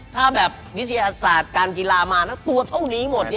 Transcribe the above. ถ้าแบบวิชีสาธิการกีฬามาเน้ตัวเท่านี้หมดนี่